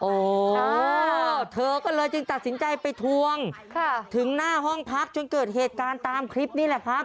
โอ้โหเธอก็เลยจึงตัดสินใจไปทวงถึงหน้าห้องพักจนเกิดเหตุการณ์ตามคลิปนี่แหละครับ